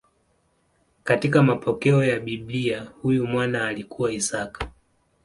Katika mapokeo ya Biblia huyu mwana alikuwa Isaka.